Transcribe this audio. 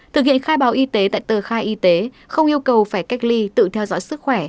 thực hiện khai báo y tế tại tờ khai y tế không yêu cầu phải cách ly tự theo dõi sức khỏe